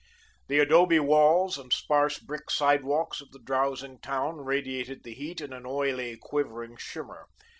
The adobe walls and sparse brick sidewalks of the drowsing town radiated the heat in an oily, quivering shimmer.